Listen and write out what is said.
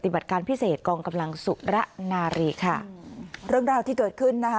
การพิเศษกองกำลังสุระนารีค่ะเรื่องราวที่เกิดขึ้นนะคะ